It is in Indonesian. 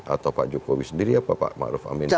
atau pak jokowi sendiri ya pak maruf amin sendiri